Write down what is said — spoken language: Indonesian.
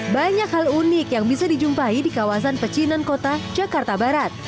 banyak hal unik yang bisa dijumpai di kawasan pecinan kota jakarta barat